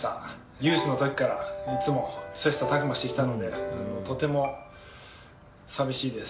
ユースのときから、いつも切さたく磨してきたので、とても寂しいです。